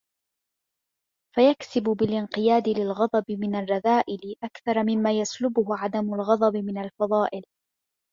فَيَكْسِبُ بِالِانْقِيَادِ لِلْغَضَبِ مِنْ الرَّذَائِلِ أَكْثَرَ مِمَّا يَسْلُبُهُ عَدَمُ الْغَضَبِ مِنْ الْفَضَائِلِ